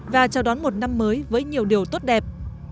và chào đón một năm mới với nhiều điều tốt đẹp